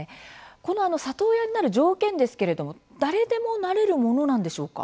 この里親になる条件ですけれども誰でもなれるものなんでしょうか？